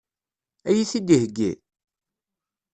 Ad iyi-t-id-iheggi?